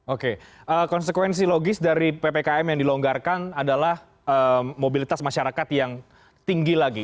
oke konsekuensi logis dari ppkm yang dilonggarkan adalah mobilitas masyarakat yang tinggi lagi